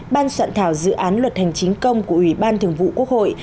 ban soạn thảo dự án luật hành chính công của ủy ban thường vụ quốc hội